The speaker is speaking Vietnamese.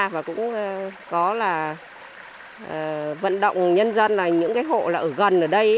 và cũng có là vận động nhân dân là những cái hộ là ở gần ở đây